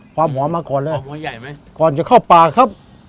ความหอมมาก่อนเลยหัวใหญ่ไหมก่อนจะเข้าปากครับ